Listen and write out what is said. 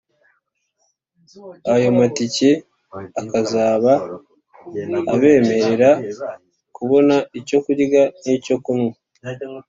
, ayo matike akazaba abemerera kubona icyo kurya n’icyo kunywa